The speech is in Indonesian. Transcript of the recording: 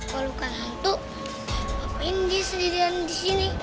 kalau bukan hantu apa ini dia sedirian disini